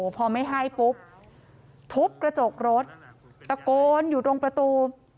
พอไม่ให้ปุ๊บทุบกระจกรถตะโกนอยู่ตรงประตู